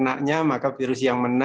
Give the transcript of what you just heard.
adalah ocur seth